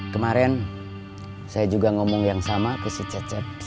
kemarin saya juga ngomong yang sama ke si cecep